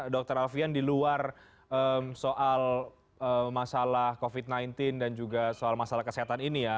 dr alfian di luar soal masalah covid sembilan belas dan juga soal masalah kesehatan ini ya